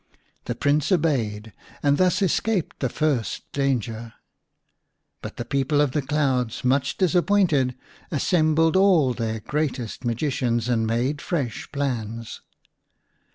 The Prince obeyed, and thus escaped the first 52 v The Rabbit Prince danger. But the people of the clouds, much dis appointed, assembled all their greatest magicians and made fresh plans.